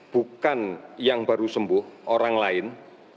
bukan yang baru sembuh orang lain